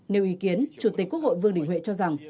nêu ý kiến chủ tịch quốc hội vương đình huệ cho rằng